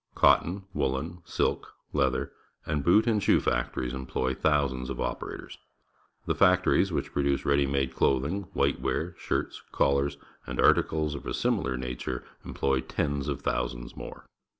Cotton, woollen, silk, leather, and boot and shoe factories employ thousands of operators. The factories which produce ready made clothing, whitewear, shirts, col THE UNITED STATES 135 lars, and articles of a similar nature employ tens of thousands more.